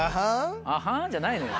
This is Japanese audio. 「あはん」じゃないのよ。